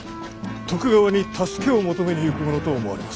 徳川に助けを求めに行くものと思われます。